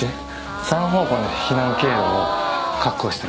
３方向の避難経路を確保してる。